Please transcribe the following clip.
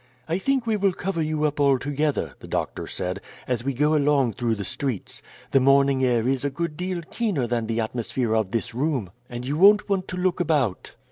"I think we will cover you up altogether," the doctor said, "as we go along through the streets. The morning air is a good deal keener than the atmosphere of this room, and you won't want to look about."